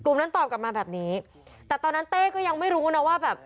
นั้นตอบกลับมาแบบนี้แต่ตอนนั้นเต้ก็ยังไม่รู้นะว่าแบบ